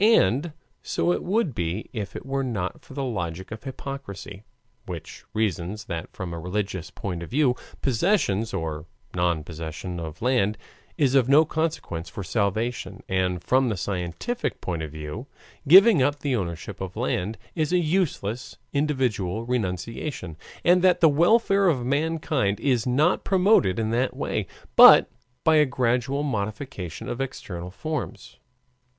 And so it would be if it were not for the logic of hypocrisy, which reasons that from a religious point of view possession or non possession of land is of no consequence for salvation, and from the scientific point of view, giving up the ownership of land is a useless individual renunciation, and that the welfare of mankind is not promoted in that way, but by a gradual modification of external forms.